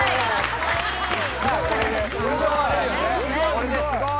これで「すごーい」